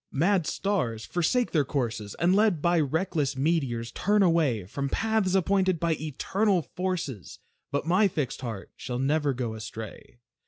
Mad stars forsake their courses, And led by reckless meteors, turn away From paths appointed by Eternal Forces; But my fixed heart shall never go astray.